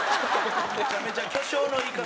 めちゃめちゃ巨匠の言い方。